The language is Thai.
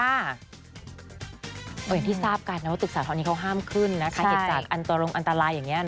อย่างที่ทราบกันนะว่าตึกสาธรณีเขาห้ามขึ้นนะคะเหตุจากอันตรงอันตรายอย่างนี้